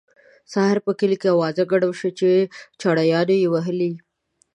سهار په کلي کې اوازه ګډه شوه چې چړیانو یې وهلی.